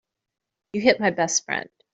You hit my best friend.